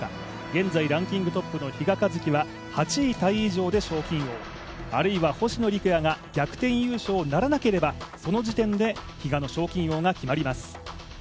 現在ランキングトップの比嘉一貴は８位タイ以上で賞金王、あるいは星野陸也が逆転優勝ならなければその時点で、比嘉の賞金王が決まります。